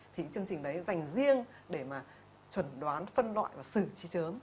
thì chương trình đấy dành riêng để mà chuẩn đoán phân loại và xử trí chớm